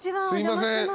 すいません